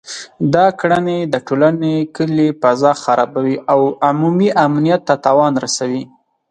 دا کړنې د ټولنې کلي فضا خرابوي او عمومي امنیت ته تاوان رسوي